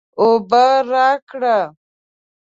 اوبه راکړه